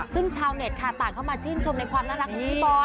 ซึ่งชาวเน็ตค่ะต่างเข้ามาชื่นชมในความน่ารักของพี่บอล